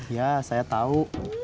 ya saya tau